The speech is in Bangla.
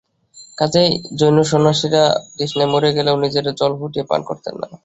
কজেই জৈনসন্ন্যাসীরা তৃষ্ণায় মরে গেলেও নিজেরা জল ফুটিয়ে পান করতেন না।